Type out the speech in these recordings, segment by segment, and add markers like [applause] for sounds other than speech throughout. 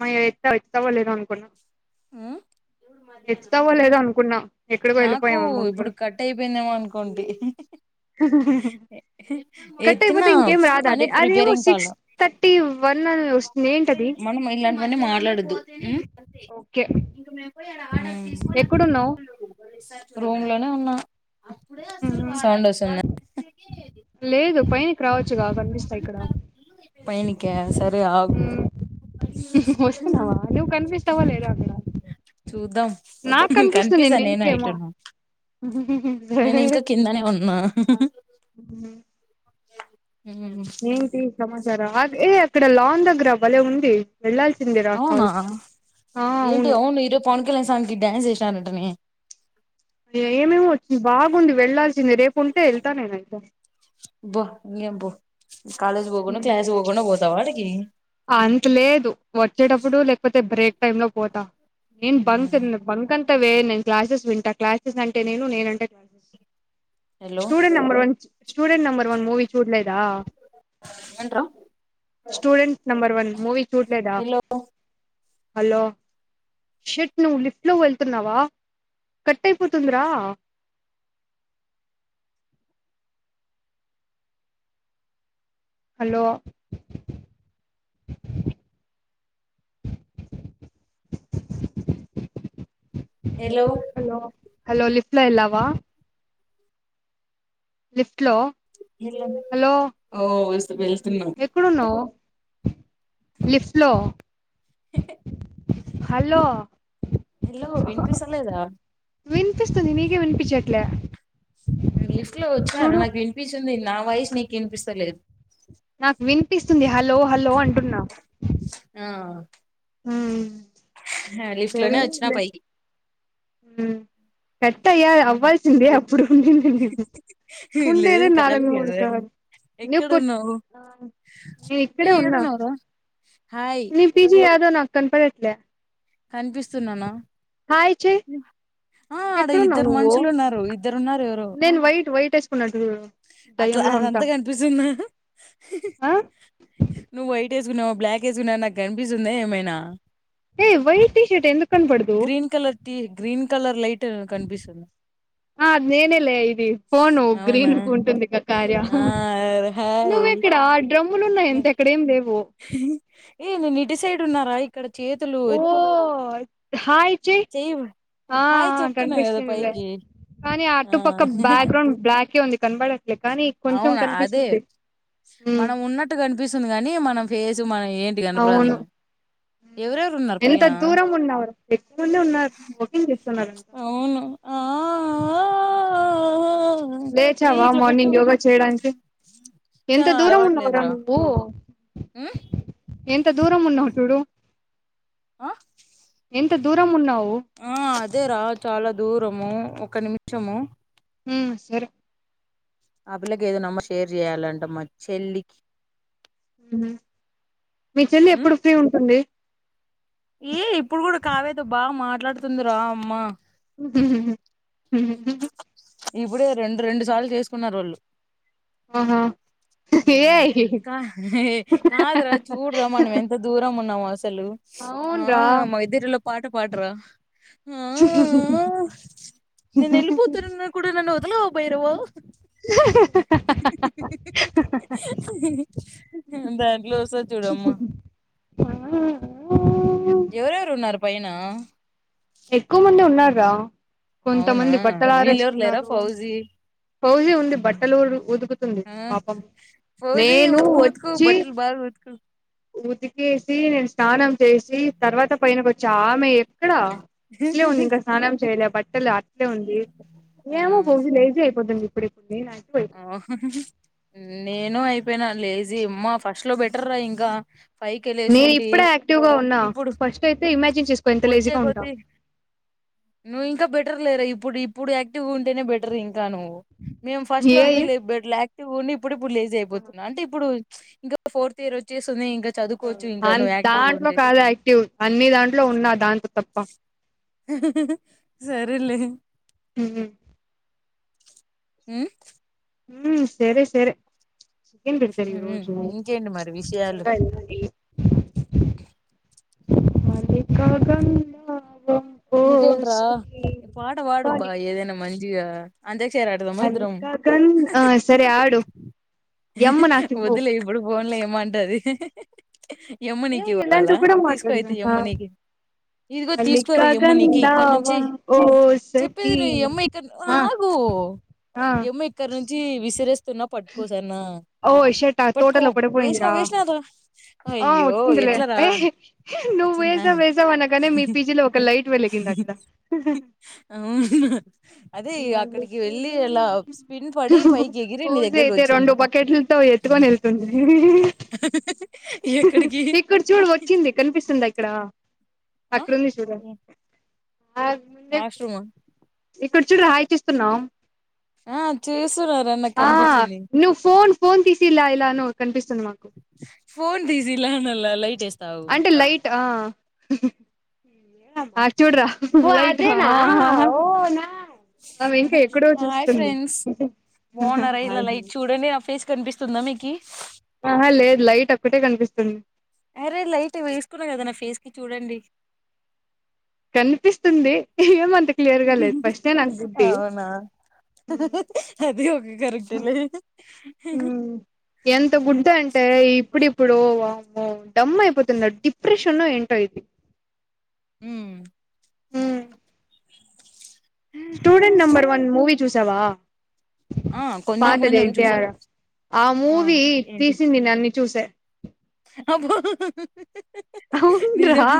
My ఎత్తవు వస్తావో లేదో అనుకున్నా ఆ ఎత్తుతావో లేదో అనుకున్నా ఎక్కడికో నాకు వెళ్ళిపోయామేమో ఇప్పుడు అనుకున్నా కట్ అయిపోయిందేమో అనుకోండి కట్ ఎత్తినా అయిపోతే ఇంకేం రాదా అది కానీ అదేమో ప్రిపేరింగ్ సిక్స్ కాాలం థర్టీ వన్ అని వస్తుంది ఏంటది మన ఇలాంటి నే మాట్లాడదు ఉమ్ ఓకే ఆర్డర్ ఉమ్ తీసుకో ఎక్కడున్నావ్ రూమ్ లోనే ఉన్నా ఉమ్ సౌండ్ వస్తుందా లేదు పైకి రావచ్చుగా కనిపిస్తా ఇక్కడ పైనికా సరే ఆగు వస్తున్నావా నువ్వు కనిపిస్తావా లేదా అక్కడ చూద్దాం నాకు కనిపిస్తుంది కన్ఫ్యూజా నేను అయిట వెళ్ళిపోయేమో నేను ఇంకా కిందనే ఉన్నా నా [unintelligible] ఏంటి సమాచారం అ ఏ అక్కడ లాంగ్ గ్ర బలే ఉంది వెళ్ళాల్సిందే రా అవునా ఫాల్స్ ఏంటి అవును ఈరోజు పవన్ కళ్యాణ్ సాంగ్ కి డ్యాన్స్ ఎ టానటనే ఏమేమొ వచ్చింది బాగుంది వెళ్లాాల్సింది రేపుంటే ఎళ్తా నేనైతే అబ్బో ఇంకేంపో కాలేజ్ పొకున్న క్లాస్ పోకున్న పోతవా ఆటీకి అంత లేదు వచ్చేటప్పుడు లేకపోతే బ్రేక్ టైమ్ లో పోతా నేన్ బంక్ బంకన్ [unintelligible] వే నేను క్లాసెస్ వింటా క్లాసెస్ అంటే నేను నేనంటే classes hello student number one student number one movie చూడలే దా ఏంట్రా నంబర్ వన్ మూవి చూల్లేదా హలో షట్ నువ్వు లిఫ్ట్ లో వెళ్తున్నావా కట్ అయిపోతుందిరా హలో ఎలో హలో హలో లిఫ్టులో ఎల్లావ లిఫ్ట్ లో హలో ఓ వెళ్తూ ఎక్కడున్నావ్ లిఫ్టులో హలో హలో విన్పిస్త లేదు రా పి చట్ల నేన్ లిఫ్ట్ లో వచ్చినా రా నాకు వినిపిస్తుంది నా వాయస్ నీకు వినిపిస్తలేదు నాకు వినిపిస్తుంది హలో హలో అంటున్నా ఆ ఊ హ లిఫ్ట్ లోనే వచ్చినా పైకి కట్ అయ్యా అవ్వాల్సింది అప్పుడు ఉండింది నీకు లేదు ఉండేవే కాలే నాలుగు మూడు కదా కాల్ ఎక్కడున్నావు నేను ఏ ఇక్కడే ఉన్నా ఏడున్నావురా హాయ్ ని పీజీ యా దో నాకు కనపడట్లే కనిపిస్తున్నాన హాయ్ చెయ్ ఆడ ఎక్కడ ఉన్నావు ఇద్దరు నువ్వు మనుషులు ఉన్నారు ఇద్దరున్నారు ఎవరో నెన్ వయిట్ వయిట్ వేసుకోన అట్లా అదంతా కనిపిస్తుంద ఆ నువ్వు వైట్ వేసుకున్నావో బ్లాక్ వేసుకున్నావో నాకు కనిపిస్తుంద ఏమైనా ఏయ్ వైట్ టీషర్ట్ ఎందుకు కనపడుదు green colour T green colour light కనిపిస్తుంది ఆ నేనలే ఇది ఫోను అవునా గ్రీను పో ఉంటుంది కార్య ఆ హాయ్ నువ్ ఎక్కడ డ్రమ్ములున్నాయి అంతే అక్కడ ఏం లేవు ఏ నేన్ ఇటి సైడు ఉన్న బైక్ ఇక్కడ చేతులు ఓ హాయ్ చెయ్ చెయ్యి ఆ హాయ్ చెప్తున్నా కదా కనిపిస్తుందిలే పైకి కానీ ఆ అటుపక్క బ్యాక్గ్రౌండ్ బ్లాకే ఉంది కనబడ అవునా అదే ఉమ్ మనం ఉన్నట్టు కనిపిస్తుంది గాని మన ఫేస్ మయి అవును ఎవరెవరు ఉన్నారు ఎంత పైన దూరంగా ఉన్నా ఎక్కడుండి ఉన్నారు వాకింగ్ చే అవును ఆ ఆఆ లేచావా మార్నింగ్ యోగా చేయడానికి ఎంత దూరం ఉన్నావురా నువ్వు హు ఎంత దూరం ఉన్నావు చూడు ఆ ఎంత దూరం ఉన్నావు పో అదేరా చాలా దూరము ఒక నిమిషము ఆ సరే ఆ పిల్లకి ఏదో నంబర్ షేర్ చెయ్యాలంట మ చెల్లికి మీ చెల్లి ఉమ్, ఎప్పుడు ఫ్రీ ఉంటుంది ఏ ఇప్పుడు కూడా కావ్య తో బాగా మాట్లాడుతుంది రా అమ్మా హ హ హ ఇప్పుడే రెండు రెండు సార్లు చేసుకున్నారు వాళ్ళు ఆహా ఏయ్ కాదురా చూడరా మనం ఎంత దూరం ఉన్నాముో అసలు ఆ అవున్రా మా ఇద్దరిలో పాట పాడరా ఆ స నేను వెళ్ళిపోతున్నా కూడా నన్ను వదలావు బైరవా దాంట్లో వస్తారు చూడమ్మా ఎవరెవరు ఉన్నారు పైనా ఎక్కువ మంది ఉన్నారుగా అవునా కొంతమంది బట్టలు వీళ్ళెవరు లేరా ఆరేస్తున్నారు ఫౌజీ పౌజీ ఉంది బట్టలు ఉదుకుతుంది ఆ పాపం ఫౌజీ నేను ఉతుకు ఉతుకు వచ్చి బట్టలు బాగా ఉతుకు ఉతికేసి నేను స్నానం చేసి తర్వాత పైనక వచ్చి ఆమె ఇక్కడ ఇట్లే ఉంది ఇంకా స్నానం చేయలే బట్ ఆటలా ఉంది ఏము ఫౌజీ లేజి అయిపోతుంది బప్పు ఓ నేను అయి పోయినా లేజీ అమ్మా ఫస్ట్ లో బెటర్ రా ఇంకా ఫైవ్ కే నేను లేసుంటి ఇప్పుడే యాక్టివ్ గా ఉన్నా ఇప్పుడు ఫస్ట్ అయితే ఇమాజిన్ చేసుకో ఎంత వచ్చే లేజీగా ఉంటా కొద్ది నువ్వు ఇంకా బెటర్ లే ఇప్పుడు ఇప్పుడు యాక్టివ్గా ఉంటేనే బెటర్ ఇంకా నువ్వు మే ఏ అంతా ఇబడట్ల ఉ ఇప్పుడు ఇప్పుడు లేజ్ అయిపోతున్నా అంటే ఇప్పుడు ఇం ఫోర్త్ ఇయర్ వచ్చేస్తుంది చదువుకోవచ్చు ఇంకా నువ్వు యాక్టివ్గా దాంట్లో ఉంటే కాదా యాక్టివ్ అన్ని దాంట్లో ఉన్నా దాంట్ తప్పు ఆ సరెలే హ ఉ ఉ సరే సరే చికెన్ పెడతరి ఈ ఉమ్ రోజు ఇంకేంటి మరి విషయాలు త్వరగా అయింది మల్లికా గంధ ఇకేంట పాట పాడుబా చెప్పాలి ఏదైనా మంచి డియర్ అంటే చేరాడుద మాధరం మల్లికాగం ఆ సరే ఆడు ఎమ్ నాకివ్వు వదిలే ఇప్పుడు పోన్లే మంటది ఏ ఎమ్మనీకి ఇవాల ఇలాంటివి కూడా తీసుకోయితే మాట్లాడదా ఎమ్మనీకి ఇదిగో తీసుకో అమ్మ నీకు ఇక్కడ నుంచి మల్లికాగంధావం ఓ చెప్పేది సఖీ ను ఈ అమ్మ ఇక్కడ ఆ ఆగు ఆ ఈ అమ్మ ఇక్కడ నుంచి విసిరేసి పట్కోసార్నా ఓ షట్ ఆ పట్కో తోటలో వేసినా పడిపోయిందిరా వేసినా త ఆ వచ్చిందిలే అహే నువ్వు వేసా వేసా అనగానే మీ పిజీ లో ఒకై అవున స్పిన్ పడి పైకి ఎగిరి నీ హోజ దగ్గరకి అయితే వచ్చింది రెండు బకెట్లతో ఎత్తుకొని వెళ్తుంది ఎక్కడికి ఇక్కడ చూడు వచ్చింది కనిపిస్తుందా ఇక్కడ? అక్కడుంది చూడు వాష్రూమ్ అ? ఇక్కడ చూడు హాయికి ఇస్స్తున్నాం ఆ చేసర ఆ ను్వ్ ఫోన్ ఫోన్ తీసి ఇలా ఇలాను కనిపిస్త ఫోన్ బిజీ లైన్ ల్ లైట్ ఎ స్తే అంటే లైట్ ఆ అ టు చూడరా ఆ ఆమె ఇంకా ఎక్కడో హాయ్ చూస్తుంది ఫ్రెండ్స్ బాగున్నారా ఇలా లైట్ చూడండి నా ఫేస్ కనిపిస్తుందా మీకి ఆహా లేదు లైట్ [unintelligible] అరే లైట్ వేసుకున్నా కదా నా ఫేస్ కి చూడండి కనిపిస్తుంది ఏమన్నా అవునా అది కరెక్టేలే ఎంత గుడ్డ అంటే ఇప్పుడిప్పుడే ఇప్పుడు వామో డమ్ అయిపోతుంది డిప్రెషన్ ఏంటో ఇది ఉమ్ మ్మ్ స్టూడెంట్ నంబర్ వన్ మూవీ చూస్త చవా ఆ కొంచెం పాతది కొంచెం చూసా ఎన్టీఆర్ ఆ మూవీ ఏంటి తీసింది నన్ను చూసే అబ్బో అవును నిజం రా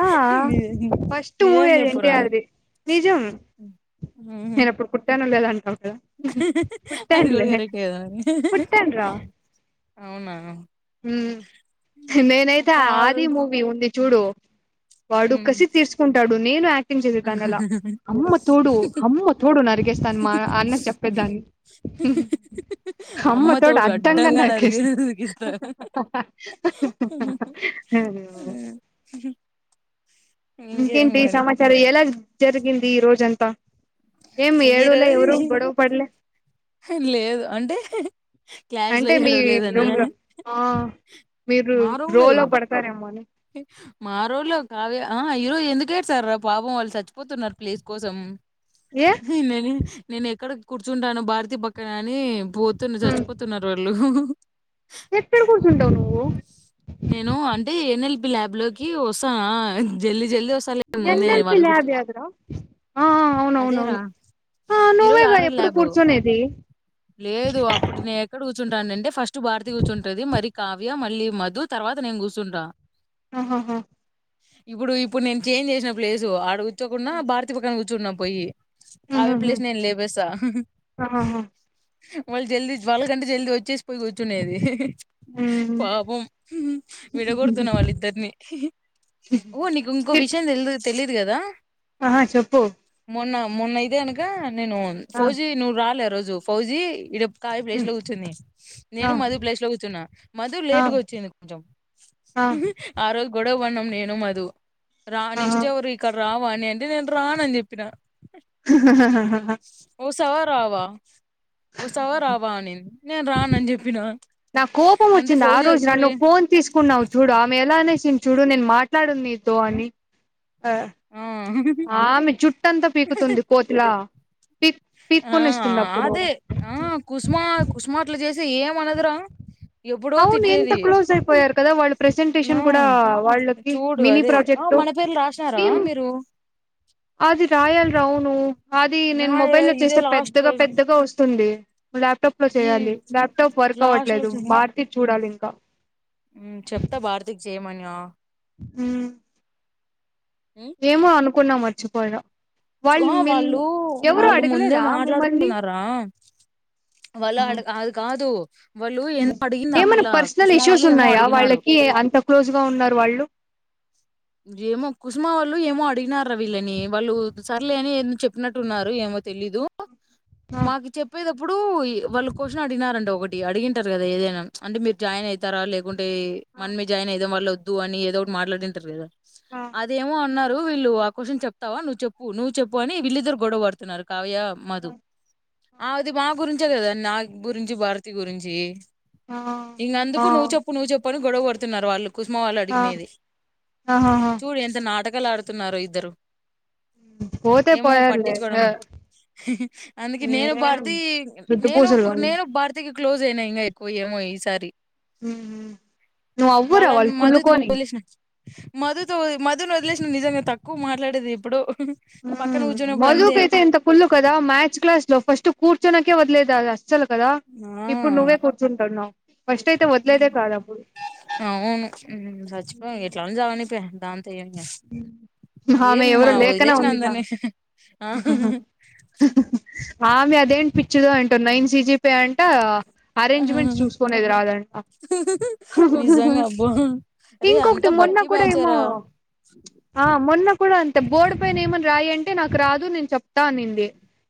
ఆ నిజం ఫస్ట్ మూవి నిజం అది చెప్పురా ఎన్టీఆర్ ది నిజం నేను అ ప్పుడు పుట్టానో లేదొ హీ అది కూడా కరెక్టే కదాని [unintelligible] అవునా? హమ్ నేనైతే అ కాదు ఆది మూవీ ఉంది చూడు వాడు ఉమ్ కసి తీర్కుంటాడు. నేను ఆక్ గుర్ంచేది దాన్ని అలా అమ్మ తోడు అమ్మ తోడు నరికేస్తాను మా అన్న కి చెప్పేదాన్ని హీహీహీ అమ్మ తోడు అడంగా నరికేస్తాను. [unintelligible] ఇంకేం ఇంకేంటి మరి సమాచారం ఎలా జరిగింది ఈ రోజంతా ఏంమ్ ఈ ఏడవలే ఏవరు రోజు గొడవ పడ్లే లేదు అంటే క్లాస్ లో అంటే మీ ఏడవలేదనా రూమ్లో హ మీరు మా రూమ్ లో రోలో ఏను పడతారేమో అని మా రోలో కాద్ ఆహ ఈరోజు ఎందుకేడ్సార్ రా పాపం వాళ్ళు చచ్చిపోతున్నారు ప్లేస్ కోసం ఏ ఇ నేనీ నేను ఎక్కడ కూర్చుంటాను భారతీ పక్కన గా ని పోతున్న చచ్చిపోతున్నారు వాళ్ళు ఎక్కడ కూర్చు ఉంటావు నువ్వు నేను అంటే ఎనెల్ ల్యాబ్ లోకి వస్తా హ జల్ జల్ వస్ ఎన్ ఎల్పిి లాబ్ యాదిర అదేరా ఈరోజు నువ్వేగా ఆరర్ ఎప్పుడు ల్యాబు కూర్చునేది లేదు అప్పుడు నేను ఎక్కడ కూర్ చుటన్డంటే ఫస్ట్ టు భారతీ కూర్చుంటది మరి కావ్య మళ్ళీ మధు తర్వాత నేను కూర్సు న్టా ఆహాహా ఇప్పుడు ఇప్పుడు నేను చేంజ్ చేసిన ప్లేసు ఆడకు చోకిన్డ భారతి పక్కన కు చున్న పోయి హవి ఉహుహు ప్లేస్ నెన్ లేపేసా ఆహాహా వాళ్ళు జల్దీ వాళ్ళ జంట జల్ది వచ్చేసి పోయ్ కూర్చునేది ఉమ్ పాపం విడగొడుతున్న వాళ్ళిద్దరిని ఓ నీకు ఇంకో ఇట్ విషయం తెల్దు తెలీదు కదా ఆహా చెప్పు మూన్న మూన్న అయితేగనక నేను ఆ ఫోజీ నువ్ రాలే ఆ రోజు ఫౌజీ ఇడప్ కావ్య ప్లేస్ ఉమ్ లో కూర్చుంది ఆ నేను మధు ప్లేస్ లో కూర్చున్నా మధు ఆ లేట్గా వచ్చింది కొంచెం ఆ ఆ రోజ్ గొడవణం నేను మధు రా ఆహా నెక్స్ట్ ఎవ్వరు ఇక్కడ రా అని ఏంటిదంట్రా‌నని చెప్పినా స్సావా రావా వస్తావా రావా అనింది నేను రానని చెప్పినా నాకు కోపం వచ్చింది ఆ రోజు నన్ను ఫోన్ తీసుకున్నావు చూడు ఆమె ఎలా అనేసింది చూడు డు నేను మాట్లాడుంది తో అని ఆ ఆమె జుట్టంతా పీకుతుంది కోతిలా ఆ ఆ అదే ఆ కుసుమా కుసుమా అట్ల చేసి సి ఏమనదురా ఎప్పుడో అవును ఎంత తిట్టేది క్లోజ్ అయిపోయారు కదా వాళ్ళు ఆ ప్రసెంటేషన్ కూడా వాళ్ళకి చూడు మినీ అదే ఆ ప్రాజెక్ట్ మన పేర్లు రాసినారా మేం మీరు అది రాయాలరా అవును అది నేను రాయరా మొబైల్ల్లో ఇదే చేేస్తే లాస్ట్ పెద్దగా రోజు పెద్దగా వస్తుంది ల్యాప్టాప్ లో ఈ చెయ్యాలి ల్యాప్టాప్ వర్క్ అవట్లేదు బార్ ఉమ్మ్ చెప్తా భారతి కి చేయమని ఆ మ్మ్ ఉమ్ ఏమో అను కున్నా మరిచిపోయినా ఆ వాళ్ళు వాళ్ళు ముందే అడగలేదా మిమ్మల్ని మాట్లాడుతున్నారా వాళ్ళు అడ అది కాదు వాళ్ళు హ్మ్. ఏమో అడిగింది ఆ ఏమైనా పిల్ల పర్సనల్ కుసుమా ఇష్యూస్ వాళ్ళు ఏమో ఉన్నాయా అడిగినారు వాళ్ళకి అంత క్లోజ్ గా ఉన్నారు వాళ్ళు ఏమో కుసుమా వాళ్ళు ఏమో అడిగినార్ రా వీళ్ళని వాళ్ళు సర్లే అని ఏందొ చెప్పినట్టున్నారు ఏమో తెలీదు ఆ మాకి చెప్పేదప్పుడు వాళ్ళు కొషన్ అడిగినారంట ఒకటి టి అడిగింటారు కదా ఏదైనా అంటే మీరు జాయిన్ ఐతారా లే ఉంటే మనమే జాయిన్ అయిదాం వాళ్ళొద్ దు అని ఏదో ఒకటి మాట్లాడింటారు గదా ఆ ఆ! అదేమో అన్నారు రు వీళ్ళు ఆ క్వషన్ చెప్తావా నువ్ చెప్పు నువ్వు చెప్పు అని వీళ్ళిద్దరు గొడవ పడుతున్నారు కావ్య మధు [inaudible] కదా నా గురించి భారతి గురించి ఇన్ ఆ! ఆ! అందుకు నువ్వు చెప్పు నువ్వు చెప్ అను గొడవ బడుతున్నారు వాళ్ళు కుసుమ వాళ్ళు ఆ! అడిగినేది ఆహాహా చూడు ఎంత నాటకం లాడుతున్నారు ఇద్దరు పోతే ఏమో పోయారులే పట్టించుకోవడం అందుకే నేను భారతీ సుద్దు నేను పూసలు వాళ్ళు నేను భారతీకి క్లోజ్ అయినా ఇంకా ఎక్కువ ఏమో ఈసారి ఉ ఉ నువ్వు అవ్వురా వాళ్లు కుళ్ళుకోని స మధుతో మధును వదిలేసిన నిజంగా తక్కువ మాట్లాడేది ఇప్పుడు ఉ పక్కన కూర్చున్నప్పుడు అంతే మధుకైతే ఎంత కుల్లు కదా మ్యాథ్స్ క్లాస్ ఫస్ట్ కూర్చోనక వద్లేదా ఆ ఫస్ట్ అయితే వదిలేదే కాదు అప్పుడు అవును సచ్చిపో ఎట్లైనా చావని లే అ ఏమి ఆమె ఏం ఎవరో మా లేఖనా వదిలేసిన ఉందిగా అందరినీ ఆ ఆమె అదేంటి పిచ్చిదో ఏంటో నైన్ సిజి పే అంట అరేంజ్మెంట్స్ చూసుకునేది రాదంట నిజంగా అబ్బా రే అంత ఇంకొకటి మొన్న బట్టి కూడా ఏమో బ్యాచారా ఆ మొన్న కూడా అంతే బోర్డు పైన ఏమన్నా రాయ్ అంటే నాకు రాదు నేను చెప్తా అనింది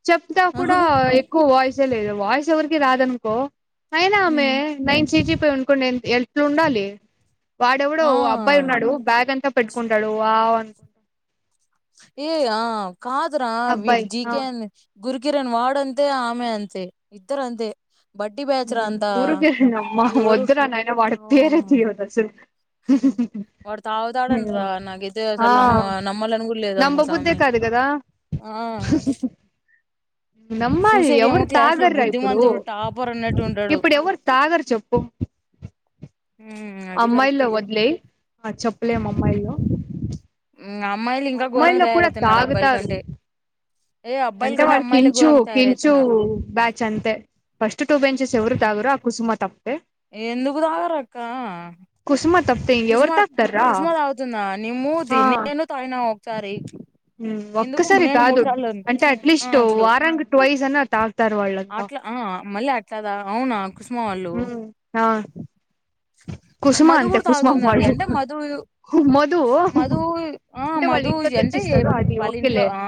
చెప్తా ఆహా, కూడా ఎక్కువ వాయిస్ [unintelligible] వయస్ ఎవరికి రాదనుకో అయనా అమె ఉమ్ నైన్ సి టీ [unintelligible] ఎట్లా ఉండాలి వాడెవడో ఆ అబ్బాయి ఉన్నాడు బ్యాగ్ అంతా పెట్టు చడువా అనుకుంటా ఏయ ఆ కాదు రా వీడు అబ్బాయి జి ఆ కే ఎన్ గురుకిరన్ వాడు అంతే ఆమె అంతే ఇద్దరు అంతే బట్టి ఆ బ్యాచ్ రా అంతా [unintelligible] అమ్మా ఎవరు వద్దురా నైనా వాని ఆ పేరే తీయొద్దు అసలు వాడు తాగుతాడంటరా నాకైతే ఆ అసలు నమ్మ నమ్మాలని కూడా లేదమ్మ నమ్మబుద్దే స్వామి కాదు కదా ఆ నమ్మాలి చూసేక ఏమో ఎవరు క్లాస్ లో తాగర్రా ఇప్పుడు బుద్ధిమంతుడు టాప్ ఇప్పుడు ఎవరు తాగరు చెప్పు హు అది కరెక్ట్ అమ్మాయిల్లో వదిలేయ్ చెప్పలేం అమ్మాయిలో ఉ అమ్మాయిలు ఇంకా ఘోరంగా తయారవుతున్నారు అబ్బాయిల తాగుతారు కంటే ఏ అబ్బాయిల అంటే కంటే వాళ్ళ అమ్మాయిలే కించు ఘోరంగా కించు తయారవుతున్నారు బ్యాచ్ అంతే ఫస్ట్ టూ బెంచెస్ ఎవరు తాగరు ఆ కుసుమ తప్ప ఎందుకు తాగరు అక్క కుసుమ తప్తే కుసుమ ఇంకెవరు తాగుతార్రా కుసుమ తగ్గుతుందా నీ మూతి నేను తగిన చారి ఉ ఒక్కసారి కాదు అంటే ఆ అట్లీస్ట్ అప్పుడు వారానికి ట్వైజ్ అన్న తా అట్లా ఆ మళ్ళీ అట్లాదా అవునా కుసుమా వాళ్ళు ఆ కుసుమ మధు అంతే కూడా కుసుమ తాగుతుందిడి వాళ్ళు అంటే మధు మధు మధు ఆ అంటే వాళ్ళ మధు ఇంట్లో అంటే తెచ్చిస్తారు అది వాళ్ళ ఇంట్లో ఓకేలే ఆ